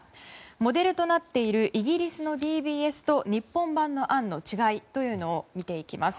モデルとなっているイギリスのＤＢＳと日本版の案の違いを見ていきます。